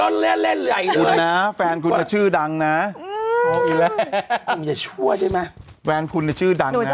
เนิ่นนุ่มนะแฟนคุณเราชื่อดังนะแต่เป็นคนชื่อดังน่ะผมบอกให้